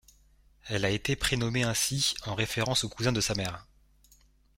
Elle a été prénommée ainsi en référence au cousin de sa mère.